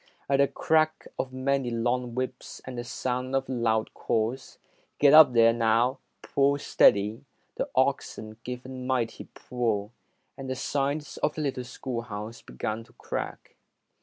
At the crack of many long whips and the sound of loud calls, "Get up there, now! Pull steady", the oxen gave a mighty pull, and the sides of the little schoolhouse began to crack.